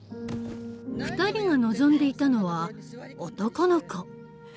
２人が望んでいたのは男の子。